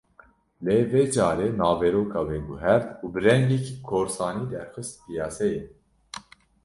Lê vê carê naveroka wê guhert û bi rengekî korsanî derxist piyaseyê